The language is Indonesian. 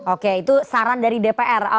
oke itu saran dari dpr